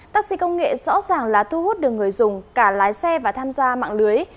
taxi công nghệ rõ ràng là thu hút được người dùng cả lái xe và tham gia mạng lưới